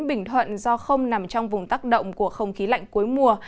bình thuận do không nằm trong vùng tác động của không khí lạnh cuối mùa